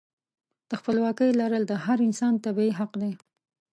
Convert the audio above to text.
د خپلواکۍ لرل د هر انسان طبیعي حق دی.